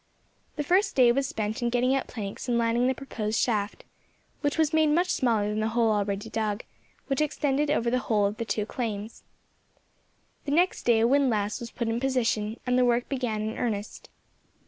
The first day was spent in getting out planks and lining the proposed shaft, which was made much smaller than the hole already dug, which extended over the whole of the two claims. The next day a windlass was put in position, and the work began in earnest.